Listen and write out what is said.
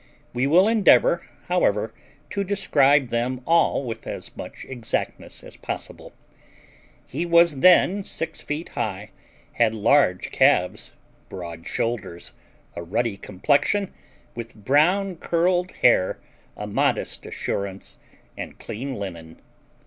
We will endeavour, however, to describe them all with as much exactness as possible. He was then six feet high, had large calves, broad shoulders, a ruddy complexion, with brown curled hair, a modest assurance, and clean linen.